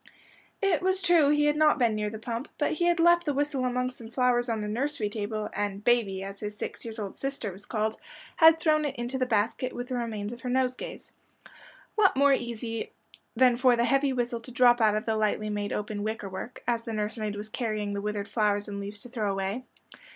It was true he had not been near the pump, but he had left the whistle among some flowers on the nursery table, and "baby," as his six years old sister was called, had thrown it into the basket with the remains of her nosegays. What more easy than for the heavy whistle to drop out of the lightly made open wicker work, as the nursemaid was carrying the withered flowers and leaves to throw away?